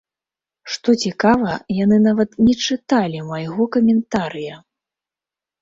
Што цікава, яны нават не чыталі майго каментарыя!